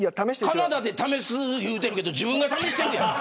カナダで試す言うてるけど自分が試してるやん。